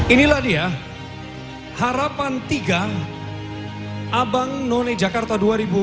inilah dia harapan tiga abang none jakarta dua ribu dua puluh